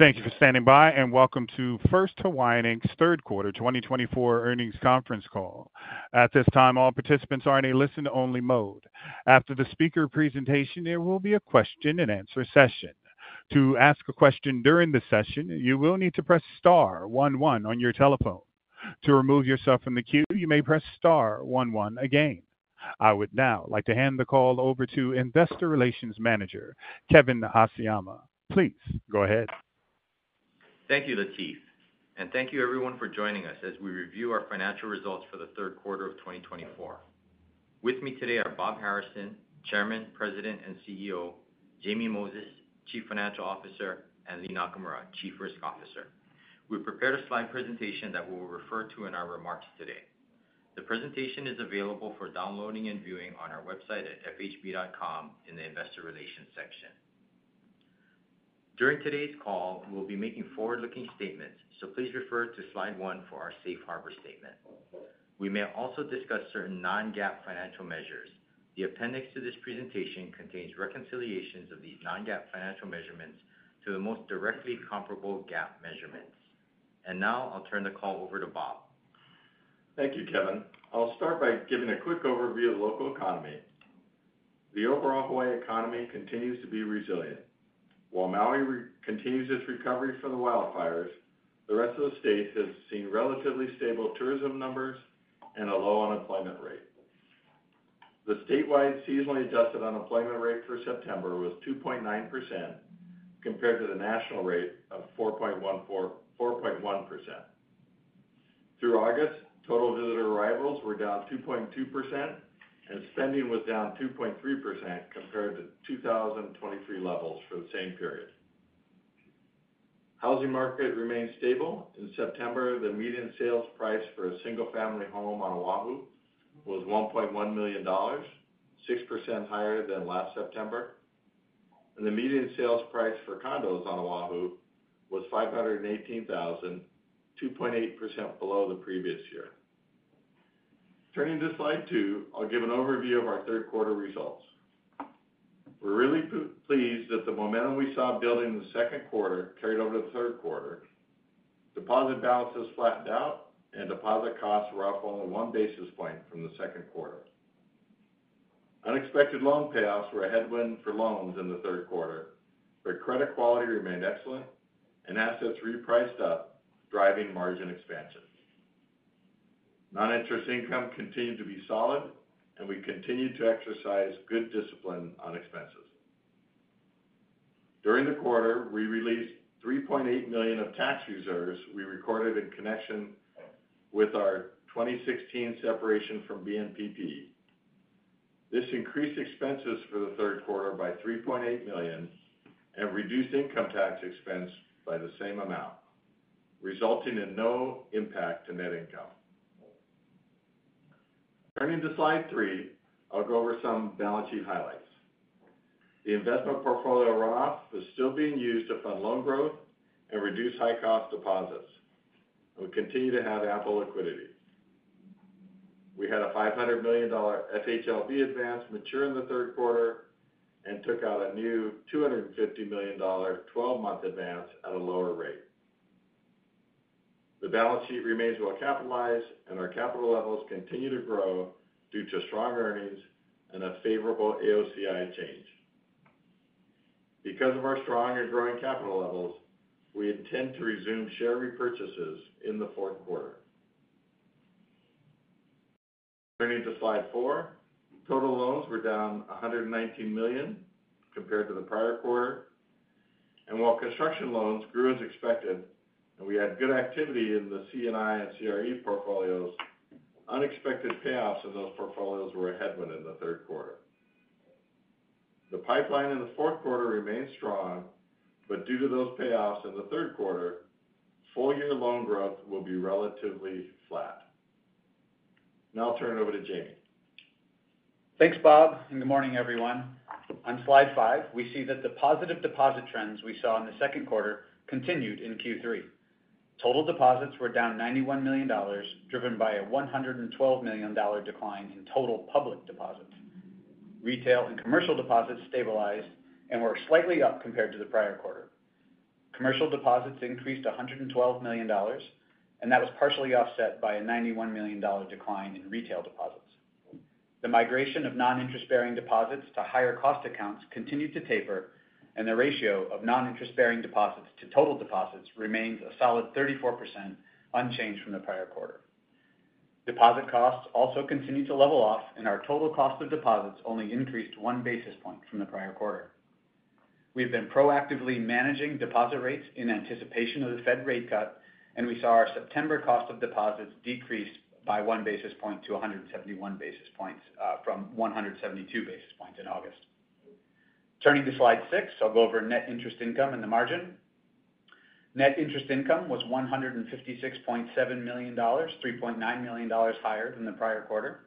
Thank you for standing by, and welcome to First Hawaiian, Inc.'s third quarter twenty twenty-four earnings conference call. At this time, all participants are in a listen-only mode. After the speaker presentation, there will be a question-and-answer session. To ask a question during the session, you will need to press star one one on your telephone. To remove yourself from the queue, you may press star one one again. I would now like to hand the call over to Investor Relations Manager, Kevin Haseyama. Please go ahead. Thank you, Latif, and thank you everyone for joining us as we review our financial results for the third quarter of twenty twenty-four. With me today are Bob Harrison, Chairman, President, and CEO, Jamie Moses, Chief Financial Officer, and Lea Nakamura, Chief Risk Officer. We've prepared a slide presentation that we will refer to in our remarks today. The presentation is available for downloading and viewing on our website at fhb.com in the Investor Relations section. During today's call, we'll be making forward-looking statements, so please refer to slide one for our safe harbor statement. We may also discuss certain non-GAAP financial measures. The appendix to this presentation contains reconciliations of these non-GAAP financial measurements to the most directly comparable GAAP measurements. And now I'll turn the call over to Bob. Thank you, Kevin. I'll start by giving a quick overview of the local economy. The overall Hawaii economy continues to be resilient. While Maui continues its recovery from the wildfires, the rest of the state has seen relatively stable tourism numbers and a low unemployment rate. The statewide seasonally adjusted unemployment rate for September was 2.9%, compared to the national rate of 4.1%. Through August, total visitor arrivals were down 2.2%, and spending was down 2.3% compared to 2023 levels for the same period. Housing market remains stable. In September, the median sales price for a single-family home on Oahu was $1.1 million, 6% higher than last September. The median sales price for condos on Oahu was $518,000, 2.8% below the previous year. Turning to slide two, I'll give an overview of our third quarter results. We're really pleased that the momentum we saw building in the second quarter carried over to the third quarter. Deposit balances flattened out, and deposit costs were up only one basis point from the second quarter. Unexpected loan payoffs were a headwind for loans in the third quarter, but credit quality remained excellent and assets repriced up, driving margin expansion. Non-interest income continued to be solid, and we continued to exercise good discipline on expenses. During the quarter, we released $3.8 million of tax reserves we recorded in connection with our 2016 separation from BNPP. This increased expenses for the third quarter by $3.8 million and reduced income tax expense by the same amount, resulting in no impact to net income. Turning to slide three, I'll go over some balance sheet highlights. The investment portfolio runoff is still being used to fund loan growth and reduce high-cost deposits. We continue to have ample liquidity. We had a $500 million FHLB advance mature in the third quarter and took out a new $250 million twelve-month advance at a lower rate. The balance sheet remains well capitalized, and our capital levels continue to grow due to strong earnings and a favorable AOCI change. Because of our strong and growing capital levels, we intend to resume share repurchases in the fourth quarter. Turning to slide four. Total loans were down $119 million compared to the prior quarter. And while construction loans grew as expected, and we had good activity in the C&I and CRE portfolios, unexpected payoffs in those portfolios were a headwind in the third quarter. The pipeline in the fourth quarter remains strong, but due to those payoffs in the third quarter, full-year loan growth will be relatively flat. Now I'll turn it over to Jamie. Thanks, Bob, and good morning, everyone. On slide 5, we see that the positive deposit trends we saw in the second quarter continued in Q3. Total deposits were down $91 million, driven by a $112 million decline in total public deposits. Retail and commercial deposits stabilized and were slightly up compared to the prior quarter. Commercial deposits increased $112 million, and that was partially offset by a $91 million decline in retail deposits. The migration of non-interest-bearing deposits to higher-cost accounts continued to taper, and the ratio of non-interest-bearing deposits to total deposits remains a solid 34%, unchanged from the prior quarter. Deposit costs also continued to level off, and our total cost of deposits only increased one basis point from the prior quarter. We've been proactively managing deposit rates in anticipation of the Fed rate cut, and we saw our September cost of deposits decrease by one basis point to a hundred and seventy-one basis points from one hundred and seventy-two basis points in August. Turning to slide six, I'll go over net interest income and the margin. Net interest income was $156.7 million, $3.9 million higher than the prior quarter.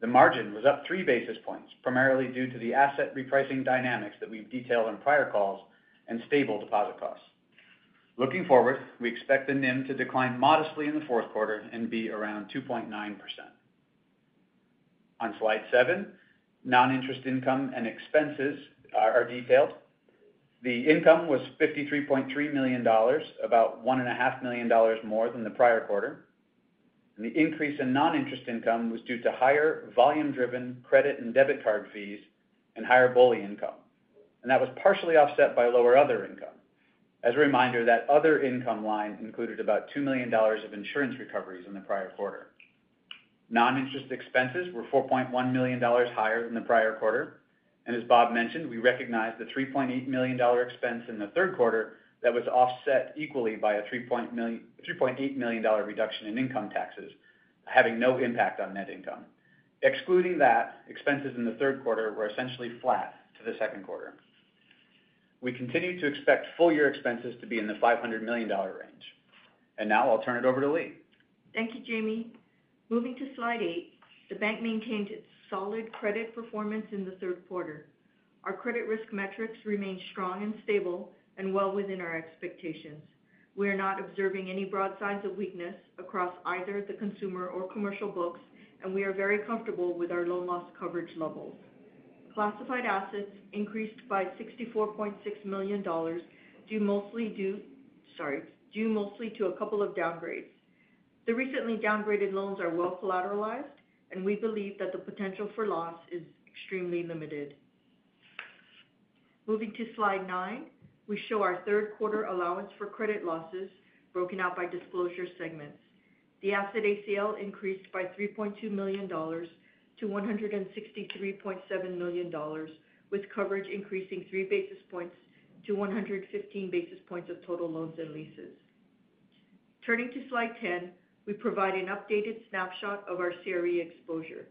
The margin was up three basis points, primarily due to the asset repricing dynamics that we've detailed on prior calls and stable deposit costs. Looking forward, we expect the NIM to decline modestly in the fourth quarter and be around 2.9%.... On Slide seven, non-interest income and expenses are detailed. The income was $53.3 million, about $1.5 million more than the prior quarter, and the increase in non-interest income was due to higher volume-driven credit and debit card fees and higher BOLI income, and that was partially offset by lower other income. As a reminder, that other income line included about $2 million of insurance recoveries in the prior quarter. Non-interest expenses were $4.1 million higher than the prior quarter, and as Bob mentioned, we recognized the $3.8 million expense in the third quarter that was offset equally by a $3.8 million reduction in income taxes, having no impact on net income. Excluding that, expenses in the third quarter were essentially flat to the second quarter. We continue to expect full year expenses to be in the $500 million range. And now I'll turn it over to Lea. Thank you, Jamie. Moving to Slide 8, the bank maintained its solid credit performance in the third quarter. Our credit risk metrics remained strong and stable and well within our expectations. We are not observing any broad signs of weakness across either the consumer or commercial books, and we are very comfortable with our loan loss coverage levels. Classified assets increased by $64.6 million, due mostly to a couple of downgrades. The recently downgraded loans are well collateralized, and we believe that the potential for loss is extremely limited. Moving to Slide 9, we show our third quarter allowance for credit losses broken out by disclosure segments. The asset ACL increased by $3.2 million to $163.7 million, with coverage increasing three basis points to 115 basis points of total loans and leases. Turning to Slide 10, we provide an updated snapshot of our CRE exposure.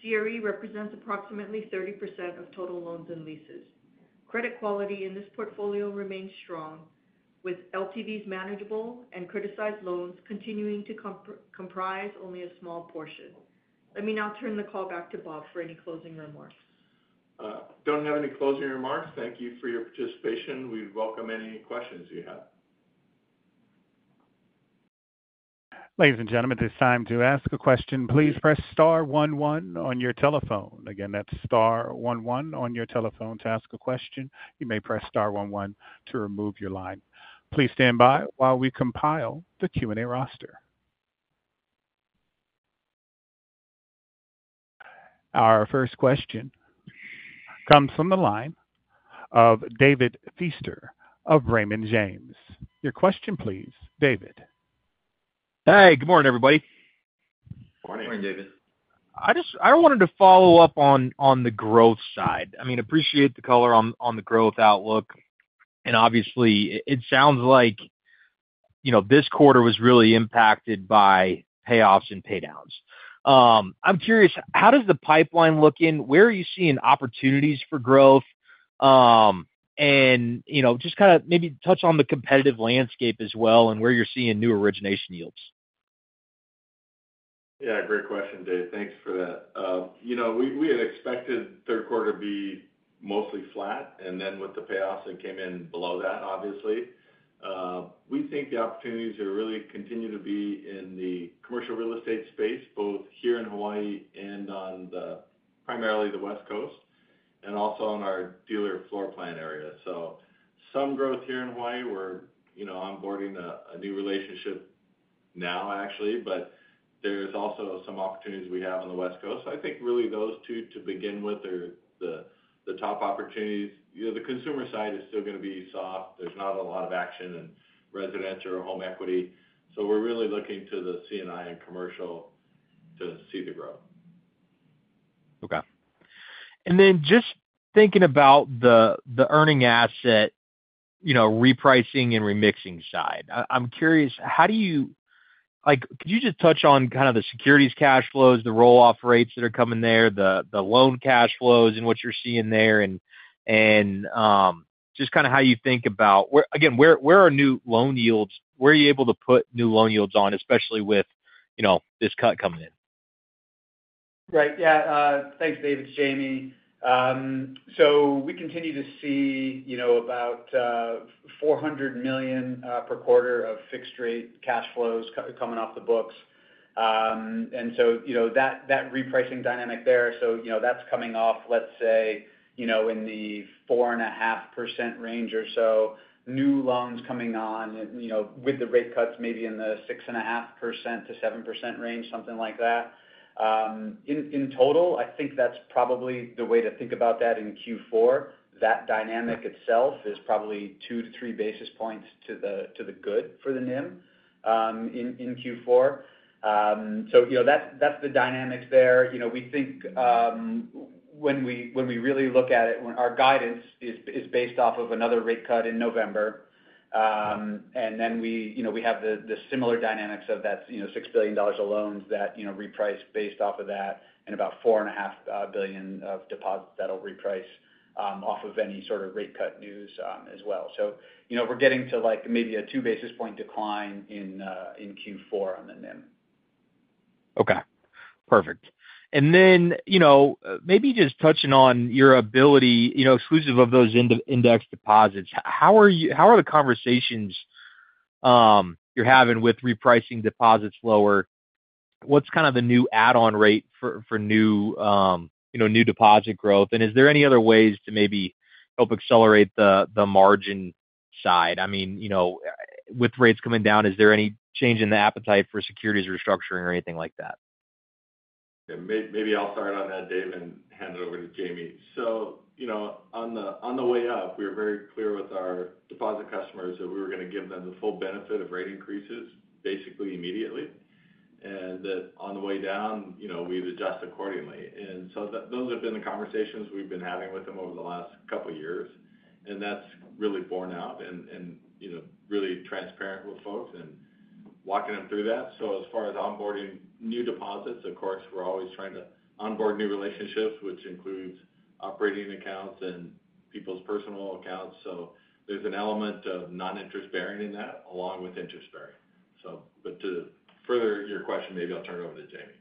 CRE represents approximately 30% of total loans and leases. Credit quality in this portfolio remains strong, with LTVs manageable and criticized loans continuing to comprise only a small portion. Let me now turn the call back to Bob for any closing remarks. Don't have any closing remarks. Thank you for your participation. We welcome any questions you have. Ladies and gentlemen, at this time, to ask a question, please press star one one on your telephone. Again, that's star one one on your telephone to ask a question. You may press star one one to remove your line. Please stand by while we compile the Q&A roster. Our first question comes from the line of David Feaster of Raymond James. Your question, please, David. Hey, good morning, everybody. Good morning. Good morning, David. I wanted to follow up on the growth side. I mean, appreciate the color on the growth outlook. And obviously, it sounds like, you know, this quarter was really impacted by payoffs and pay downs. I'm curious, how does the pipeline look in? Where are you seeing opportunities for growth? And, you know, just kind of maybe touch on the competitive landscape as well and where you're seeing new origination yields. Yeah, great question, Dave. Thanks for that. You know, we had expected third quarter to be mostly flat, and then with the payoffs, it came in below that, obviously. We think the opportunities are really continue to be in the commercial real estate space, both here in Hawaii and on the, primarily the West Coast, and also in our dealer floor plan area. So some growth here in Hawaii. We're, you know, onboarding a new relationship now, actually, but there's also some opportunities we have on the West Coast. I think really those two to begin with are the top opportunities. You know, the consumer side is still going to be soft. There's not a lot of action in residential or home equity, so we're really looking to the C&I and commercial to see the growth. Okay. And then just thinking about the earning asset, you know, repricing and remixing side. I'm curious, how do you... Like, could you just touch on kind of the securities cash flows, the roll-off rates that are coming there, the loan cash flows and what you're seeing there, and just kind of how you think about where. Again, where are new loan yields? Where are you able to put new loan yields on, especially with, you know, this cut coming in? Right. Yeah, thanks, David. It's Jamie. So we continue to see, you know, about $400 million per quarter of fixed rate cash flows coming off the books. And so, you know, that repricing dynamic there, so, you know, that's coming off, let's say, you know, in the 4.5% range or so. New loans coming on, you know, with the rate cuts maybe in the 6.5% to 7% range, something like that. In total, I think that's probably the way to think about that in Q4. That dynamic itself is probably two to three basis points to the good for the NIM in Q4. So, you know, that's the dynamics there. You know, we think, when we really look at it, our guidance is based off of another rate cut in November, and then we, you know, we have the similar dynamics of that, you know, $6 billion of loans that, you know, reprice based off of that, and about $4.5 billion of deposits that'll reprice, off of any sort of rate cut news, as well. So, you know, we're getting to, like, maybe a two basis point decline in Q4 on the NIM. Okay, perfect. And then, you know, maybe just touching on your ability, you know, exclusive of those index deposits, how are the conversations you're having with repricing deposits lower? What's kind of the new add-on rate for new deposit growth? And is there any other ways to maybe help accelerate the margin side? I mean, you know, with rates coming down, is there any change in the appetite for securities restructuring or anything like that? Yeah, maybe I'll start on that, Dave, and hand it over to Jamie. So, you know, on the way up, we were very clear with our deposit customers that we were going to give them the full benefit of rate increases, basically immediately. And that on the way down, you know, we'd adjust accordingly. And so those have been the conversations we've been having with them over the last couple years, and that's really borne out and, you know, really transparent with folks and walking them through that. So as far as onboarding new deposits, of course, we're always trying to onboard new relationships, which includes operating accounts and people's personal accounts. So there's an element of non-interest bearing in that, along with interest bearing. So but to further your question, maybe I'll turn it over to Jamie.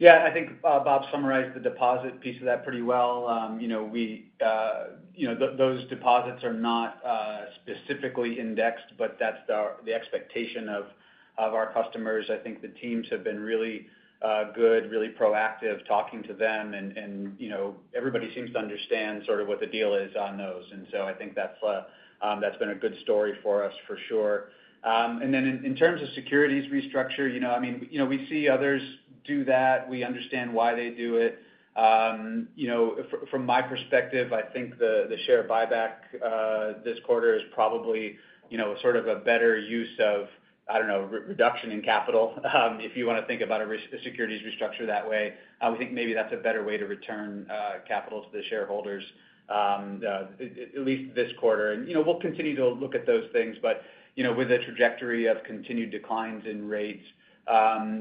Yeah, I think, Bob summarized the deposit piece of that pretty well. You know, we, you know, those deposits are not specifically indexed, but that's the expectation of our customers. I think the teams have been really good, really proactive, talking to them, and you know, everybody seems to understand sort of what the deal is on those. And so I think that's been a good story for us for sure. And then in terms of securities restructure, you know, I mean, you know, we see others do that. We understand why they do it. From my perspective, I think the share buyback this quarter is probably, you know, sort of a better use of, I don't know, reduction in capital, if you want to think about a securities restructure that way. We think maybe that's a better way to return capital to the shareholders, at least this quarter, and you know, we'll continue to look at those things, but, you know, with the trajectory of continued declines in rates,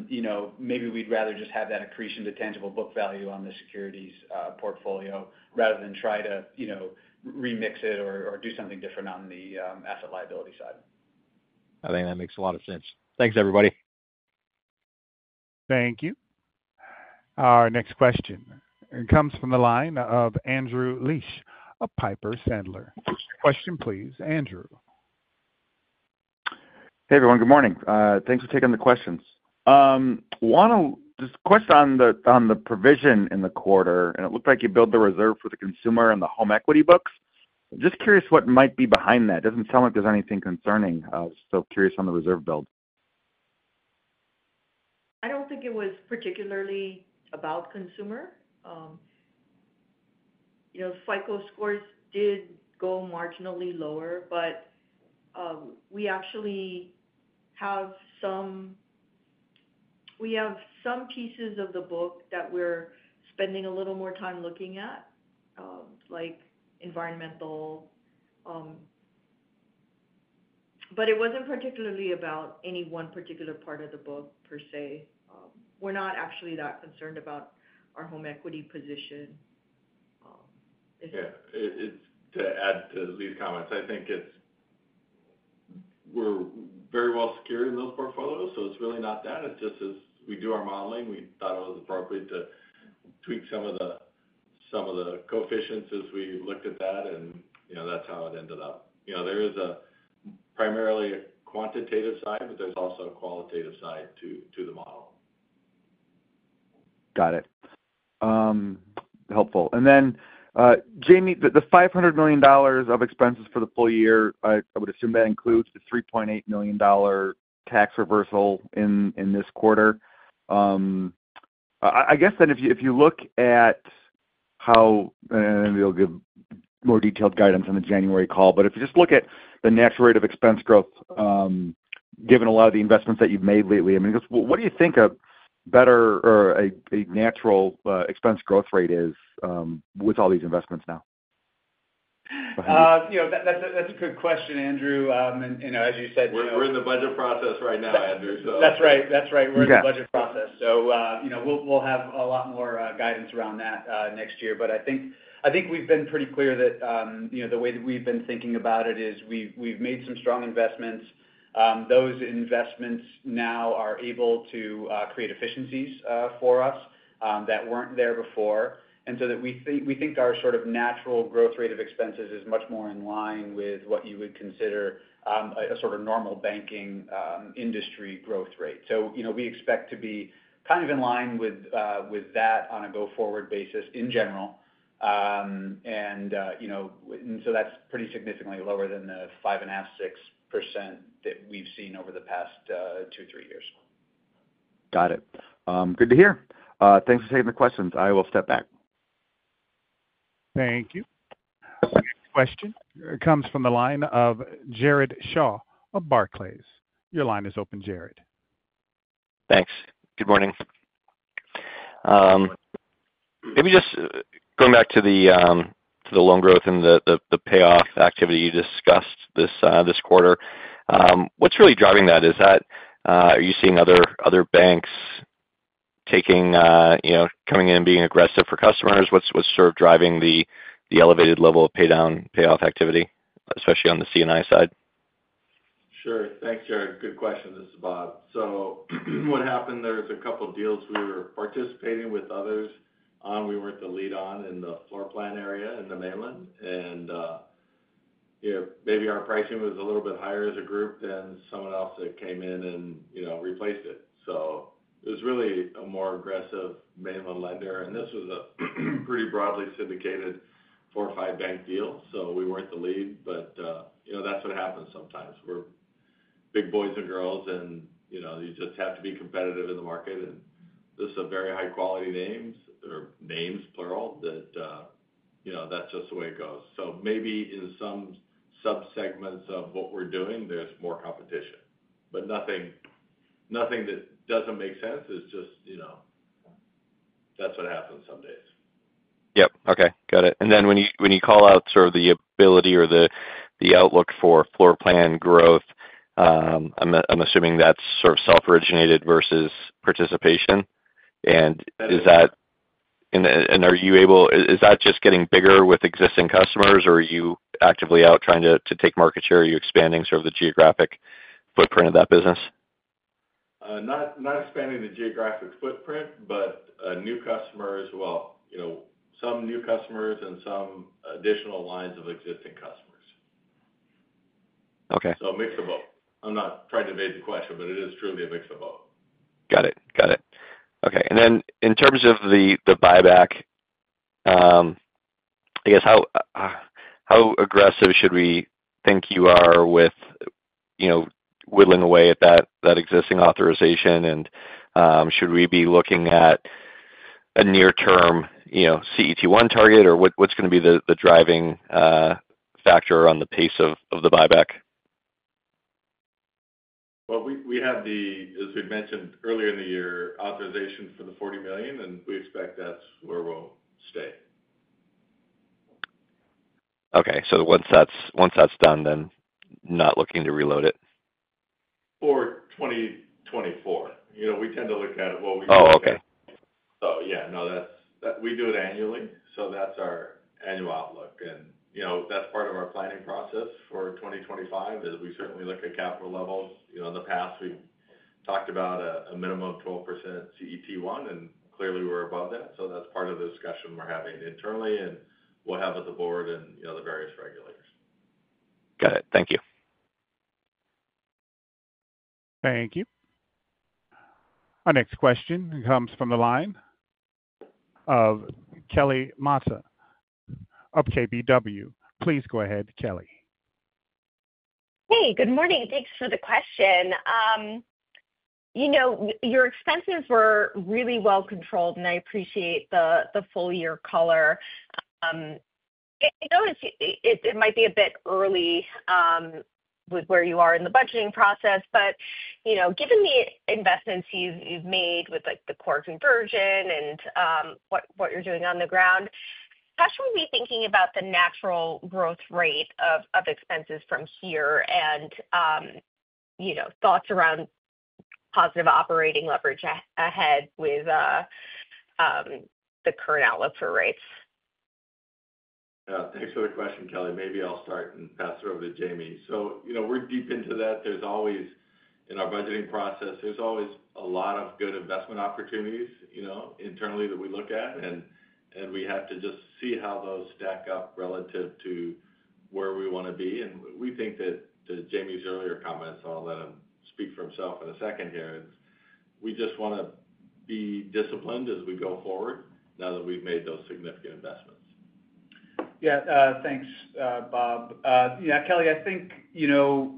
you know, maybe we'd rather just have that accretion to tangible book value on the securities portfolio, rather than try to, you know, remix it or do something different on the asset liability side. I think that makes a lot of sense. Thanks, everybody. Thank you. Our next question comes from the line of Andrew Liesch of Piper Sandler. Question please, Andrew. Hey, everyone. Good morning. Thanks for taking the questions. Just a question on the provision in the quarter, and it looked like you built the reserve for the consumer and the home equity books. Just curious what might be behind that. It doesn't sound like there's anything concerning. So curious on the reserve build. I don't think it was particularly about consumer. You know, FICO scores did go marginally lower, but, we actually have some pieces of the book that we're spending a little more time looking at, like environmental. But it wasn't particularly about any one particular part of the book, per se. We're not actually that concerned about our home equity position. Yeah, it's to add to these comments. I think it's we're very well secured in those portfolios, so it's really not that. It's just as we do our modeling, we thought it was appropriate to tweak some of the coefficients as we looked at that, and, you know, that's how it ended up. You know, there is a primarily quantitative side, but there's also a qualitative side to the model. Got it. Helpful. And then, Jamie, the $500 million of expenses for the full year, I would assume that includes the $3.8 million tax reversal in this quarter. I guess then if you look at how, and you'll give more detailed guidance on the January call, but if you just look at the next rate of expense growth, given a lot of the investments that you've made lately, I mean, just what do you think a better or a natural expense growth rate is, with all these investments now? You know, that's a good question, Andrew. And, you know, as you said- We're in the budget process right now, Andrew, so. That's right. That's right. Okay. We're in the budget process. So, you know, we'll have a lot more guidance around that next year. But I think we've been pretty clear that, you know, the way that we've been thinking about it is we've made some strong investments. Those investments now are able to create efficiencies for us that weren't there before. And so that we think our sort of natural growth rate of expenses is much more in line with what you would consider a sort of normal banking industry growth rate. So, you know, we expect to be kind of in line with that on a go-forward basis in general. You know, and so that's pretty significantly lower than the 5.5-6% that we've seen over the past two, three years. Got it. Good to hear. Thanks for taking the questions. I will step back. Thank you. Next question comes from the line of Jared Shaw of Barclays. Your line is open, Jared. Thanks. Good morning. Maybe just going back to the loan growth and the payoff activity you discussed this quarter. What's really driving that? Is that are you seeing other banks taking you know coming in and being aggressive for customers? What's sort of driving the elevated level of pay down, payoff activity, especially on the C&I side? Sure. Thanks, Jared. Good question. This is Bob, so what happened there is a couple of deals we were participating with others. We weren't the lead on in the floor plan area in the mainland, and you know, maybe our pricing was a little bit higher as a group than someone else that came in and, you know, replaced it, so it was really a more aggressive mainland lender, and this was a pretty broadly syndicated four or five bank deal, so we weren't the lead, but you know, that's what happens sometimes. We're big boys and girls, and you know, you just have to be competitive in the market, and this is a very high-quality names or names, plural, that you know, that's just the way it goes. So maybe in some subsegments of what we're doing, there's more competition, but nothing, nothing that doesn't make sense. It's just, you know, that's what happens some days. Yep. Okay, got it. And then when you call out sort of the ability or the outlook for floor plan growth, I'm assuming that's sort of self-originated versus participation. And is that- That is- Is that just getting bigger with existing customers, or are you actively out trying to take market share? Are you expanding sort of the geographic footprint of that business? Not expanding the geographic footprint, but new customers as well. You know, some new customers and some additional lines of existing customers. Okay. So a mix of both. I'm not trying to evade the question, but it is truly a mix of both. Got it. Got it. Okay, and then in terms of the buyback, I guess how aggressive should we think you are with, you know, whittling away at that existing authorization? And, should we be looking at a near-term, you know, CET1 target, or what's gonna be the driving factor on the pace of the buyback? We have the authorization for the $40 million, as we've mentioned earlier in the year, and we expect that's where we'll stay. Okay, so once that's done, then not looking to reload it? For 2024. You know, we tend to look at it what we- Oh, okay. So yeah, no, that's. We do it annually, so that's our annual outlook. And, you know, that's part of our planning process for twenty twenty-five, is we certainly look at capital levels. You know, in the past, we've talked about a minimum of 12% CET1, and clearly, we're above that. So that's part of the discussion we're having internally and we'll have with the board and, you know, the various regulators. Got it. Thank you. Thank you. Our next question comes from the line of Kelly Motta of KBW. Please go ahead, Kelly. Hey, good morning. Thanks for the question. You know, your expenses were really well controlled, and I appreciate the full year color. I know it might be a bit early with where you are in the budgeting process, but you know, given the investments you've made with like the core conversion and what you're doing on the ground, how should we be thinking about the natural growth rate of expenses from here and you know, thoughts around positive operating leverage ahead with the current outlook for rates? Yeah, thanks for the question, Kelly. Maybe I'll start and pass it over to Jamie. So, you know, we're deep into that. There's always... In our budgeting process, there's always a lot of good investment opportunities, you know, internally that we look at, and we have to just see how those stack up relative to where we want to be. And we think that to Jamie's earlier comments, I'll let him speak for himself in a second here, is we just want to be disciplined as we go forward now that we've made those significant investments. Yeah, thanks, Bob. Yeah, Kelly, I think, you know,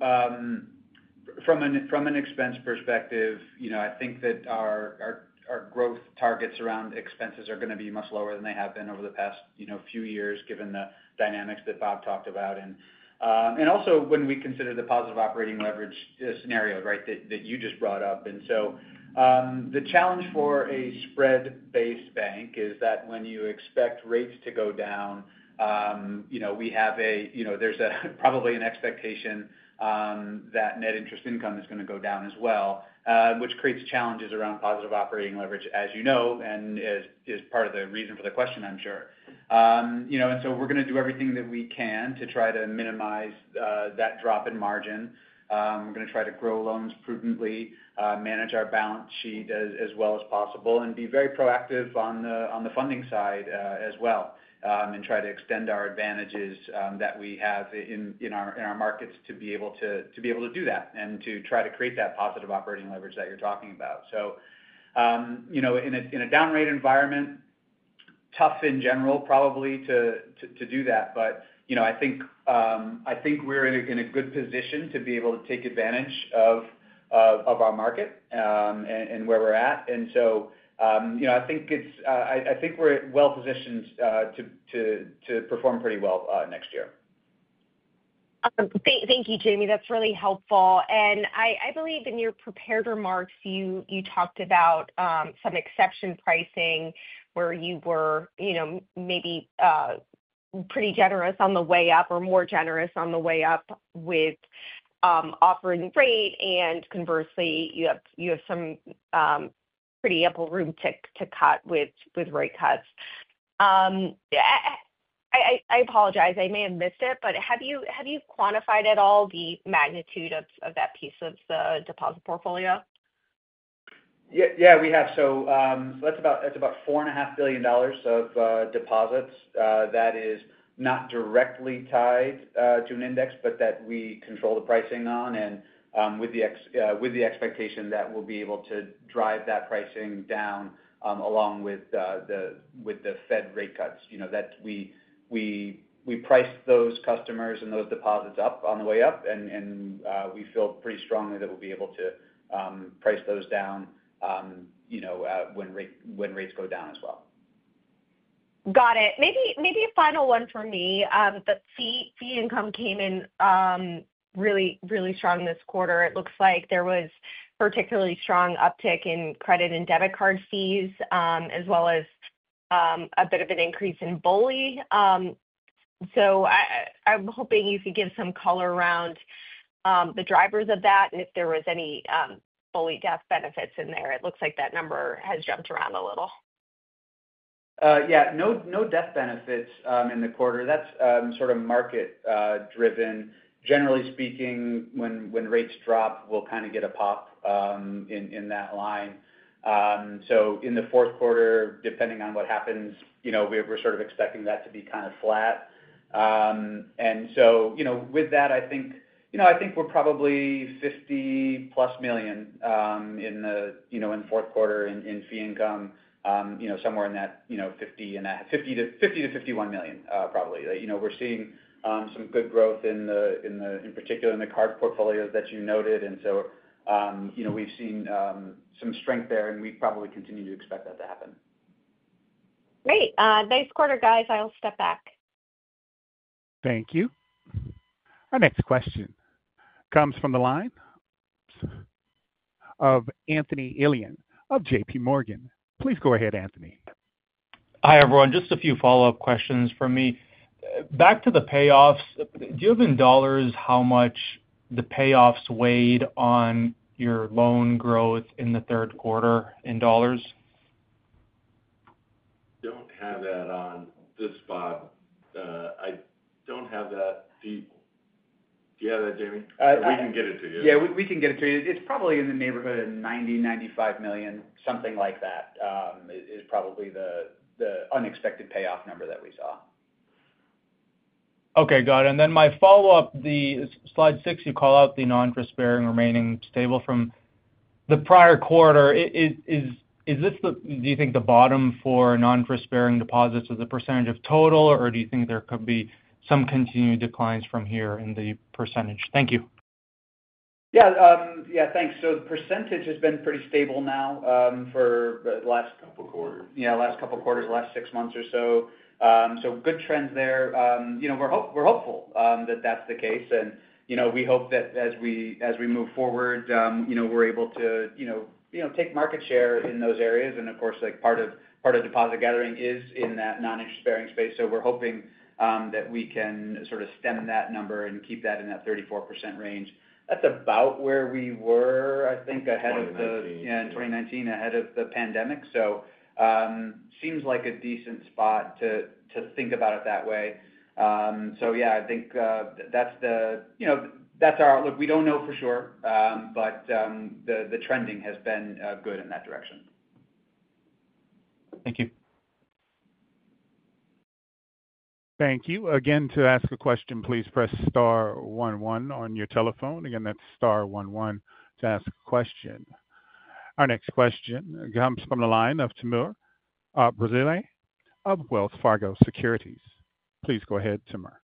from an expense perspective, you know, I think that our growth targets around expenses are going to be much lower than they have been over the past, you know, few years, given the dynamics that Bob talked about. And also when we consider the positive operating leverage scenario, right, that you just brought up. And so, the challenge for a spread-based bank is that when you expect rates to go down, you know, there's probably an expectation that net interest income is going to go down as well, which creates challenges around positive operating leverage, as you know, and is part of the reason for the question, I'm sure. You know, and so we're going to do everything that we can to try to minimize that drop in margin. We're going to try to grow loans prudently, manage our balance sheet as well as possible, and be very proactive on the funding side as well, and try to extend our advantages that we have in our markets to be able to do that, and to try to create that positive operating leverage that you're talking about. So, you know, in a down rate environment, tough in general, probably, to do that. But, you know, I think we're in a good position to be able to take advantage of our market and where we're at. And so, you know, I think it's. I think we're well positioned to perform pretty well next year. Thank you, Jamie. That's really helpful. And I believe in your prepared remarks, you talked about some exception pricing where you were, you know, maybe pretty generous on the way up or more generous on the way up with offering rate, and conversely, you have some pretty ample room to cut with rate cuts. I-... I apologize, I may have missed it, but have you quantified at all the magnitude of that piece of the deposit portfolio? Yeah, we have. That's about $4.5 billion of deposits that is not directly tied to an index, but that we control the pricing on. With the expectation that we'll be able to drive that pricing down along with the Fed rate cuts. You know, that we price those customers and those deposits up on the way up, and we feel pretty strongly that we'll be able to price those down, you know, when rates go down as well. Got it. Maybe a final one for me. The fee income came in really strong this quarter. It looks like there was particularly strong uptick in credit and debit card fees, as well as a bit of an increase in BOLI. So I'm hoping you could give some color around the drivers of that, and if there was any BOLI death benefits in there. It looks like that number has jumped around a little. Yeah, no death benefits in the quarter. That's sort of market driven. Generally speaking, when rates drop, we'll kind of get a pop in that line. So in the fourth quarter, depending on what happens, you know, we're sort of expecting that to be kind of flat. And so, you know, with that, I think we're probably $50-plus million in the fourth quarter in fee income, you know, somewhere in that $50-$51 million, probably. You know, we're seeing some good growth in particular in the card portfolios that you noted. And so, you know, we've seen some strength there, and we probably continue to expect that to happen. Great. Nice quarter, guys. I'll step back. Thank you. Our next question comes from the line of Anthony Elian of JPMorgan. Please go ahead, Anthony. Hi, everyone. Just a few follow-up questions from me. Back to the payoffs, do you have in dollars how much the payoffs weighed on your loan growth in the third quarter, in dollars? Don't have that on the spot. I don't have that. Do you have that, Jamie? Uh- We can get it to you. Yeah, we can get it to you. It's probably in the neighborhood of $90-$95 million, something like that, is probably the unexpected payoff number that we saw. Okay, got it. And then my follow-up, the slide six, you call out the non-interest-bearing remaining stable from the prior quarter. Is this the, do you think the bottom for non-interest-bearing deposits as a percentage of total, or do you think there could be some continued declines from here in the percentage? Thank you. Yeah, thanks. So the percentage has been pretty stable now, for the last- Couple quarters. Yeah, last couple quarters, last six months or so. So good trends there. You know, we're hopeful that that's the case. And, you know, we hope that as we move forward, you know, we're able to take market share in those areas. And of course, like, part of deposit gathering is in that non-interest-bearing space. So we're hoping that we can sort of stem that number and keep that in that 34% range. That's about where we were, I think, ahead of the- Twenty nineteen. Yeah, in 2019, ahead of the pandemic. So, seems like a decent spot to think about it that way. So yeah, I think that's, you know, that's our outlook. We don't know for sure, but the trending has been good in that direction. Thank you. Thank you. Again, to ask a question, please press star one one on your telephone. Again, that's star one one to ask a question. Our next question comes from the line of Timur Braziler of Wells Fargo Securities. Please go ahead, Timur.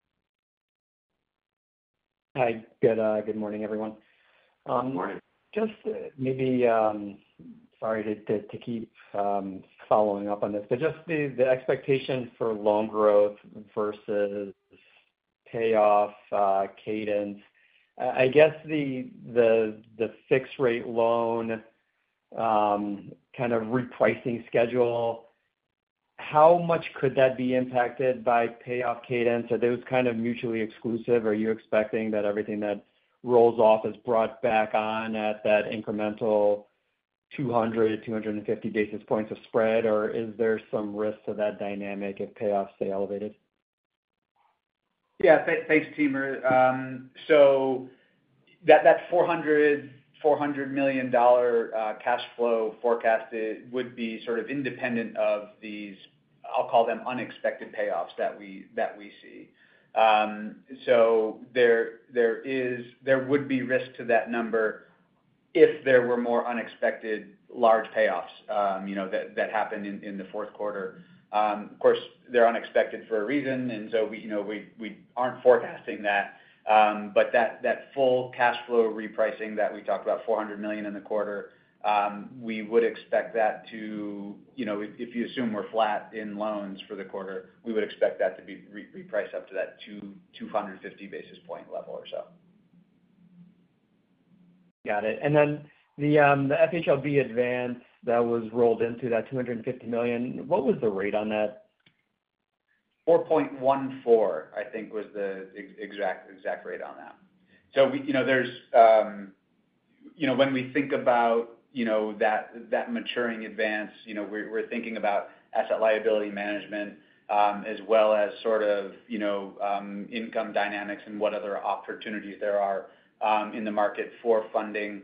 Hi, good morning, everyone. Good morning. Just maybe, sorry to keep following up on this, but just the expectation for loan growth versus payoff. I guess the fixed rate loan kind of repricing schedule, how much could that be impacted by payoff cadence? Are those kind of mutually exclusive, or are you expecting that everything that rolls off is brought back on at that incremental 200-250 basis points of spread, or is there some risk to that dynamic if payoffs stay elevated? Yeah. Thanks, Timur. So that $400 million cash flow forecasted would be sort of independent of these, I'll call them, unexpected payoffs that we see. So there would be risk to that number if there were more unexpected large payoffs, you know, that happened in the fourth quarter. Of course, they're unexpected for a reason, and so we, you know, aren't forecasting that. But that full cash flow repricing that we talked about, $400 million in the quarter, we would expect that to. You know, if you assume we're flat in loans for the quarter, we would expect that to be repriced up to that 250 basis point level or so. Got it. And then the FHLB advance that was rolled into that $250 million, what was the rate on that? 4.14, I think, was the exact rate on that. So we, you know, there's you know, when we think about, you know, that maturing advance, you know, we're thinking about asset liability management, as well as sort of, you know, income dynamics and what other opportunities there are, in the market for funding,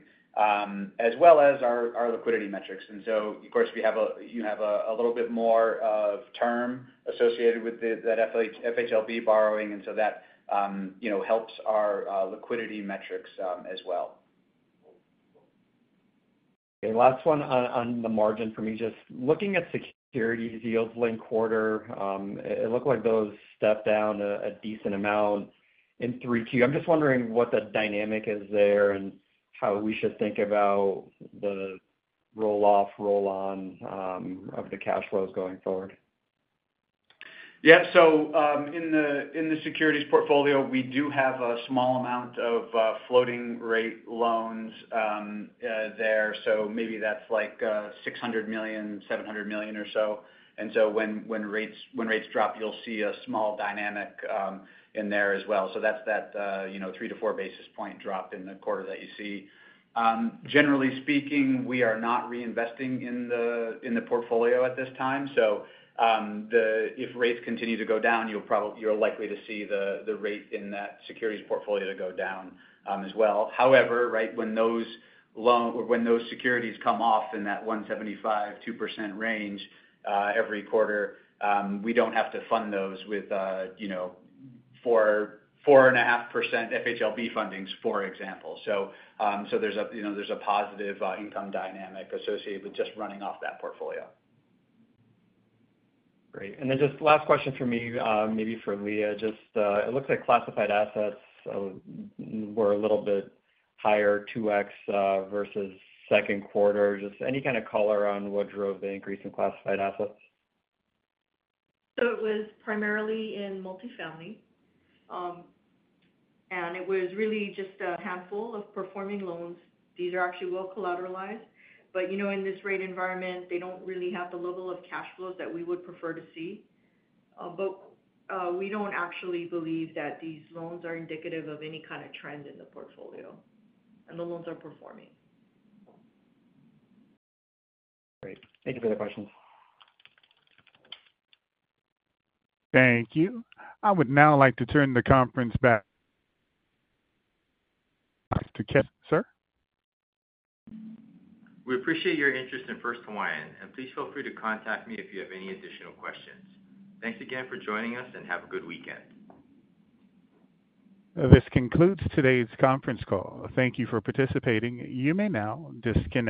as well as our liquidity metrics. And so, of course, we have a little bit more of term associated with the, that FHLB borrowing, and so that, you know, helps our liquidity metrics, as well. Last one on the margin for me. Just looking at securities yields linked quarter, it looked like those stepped down a decent amount in 3Q. I'm just wondering what the dynamic is there, and how we should think about the roll-off, roll-on of the cash flows going forward. Yeah. So, in the securities portfolio, we do have a small amount of floating rate loans there. So maybe that's like $600 million-$700 million or so. And so when rates drop, you'll see a small dynamic in there as well. So that's that, you know, 3-4 basis point drop in the quarter that you see. Generally speaking, we are not reinvesting in the portfolio at this time. So, the... If rates continue to go down, you're likely to see the rate in that securities portfolio to go down as well. However, right, when those securities come off in that 1.75-2% range every quarter, we don't have to fund those with, you know, 4-4.5% FHLB fundings, for example. So, so there's a, you know, there's a positive income dynamic associated with just running off that portfolio. Great, and then just last question for me, maybe for Lea. Just, it looks like classified assets were a little bit higher, 2x, versus second quarter. Just any kind of color on what drove the increase in classified assets? So it was primarily in multifamily, and it was really just a handful of performing loans. These are actually well collateralized, but you know, in this rate environment, they don't really have the level of cash flows that we would prefer to see, but we don't actually believe that these loans are indicative of any kind of trend in the portfolio, and the loans are performing. Great. Thank you for the questions. Thank you. I would now like to turn the conference back to Kevin, sir. We appreciate your interest in First Hawaiian, and please feel free to contact me if you have any additional questions. Thanks again for joining us, and have a good weekend. This concludes today's conference call. Thank you for participating. You may now disconnect.